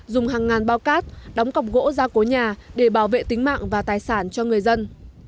dùng hàng ngàn bao cát đóng cọc gỗ ra cố nhà để bảo vệ tính mạng và tài sản cho người dân